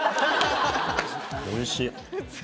おいしい！